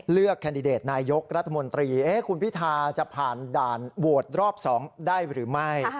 แคนดิเดตนายกรัฐมนตรีคุณพิธาจะผ่านด่านโหวตรอบ๒ได้หรือไม่